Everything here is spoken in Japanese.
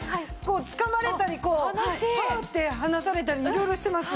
つかまれたりパッて離されたり色々してます。